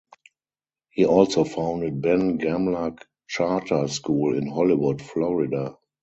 He also founded Ben Gamla Charter School in Hollywood, Florida.